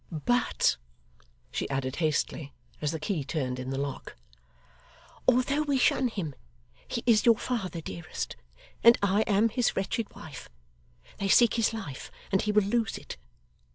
'But,' she added hastily as the key turned in the lock, 'although we shun him, he is your father, dearest, and I am his wretched wife. They seek his life, and he will lose it.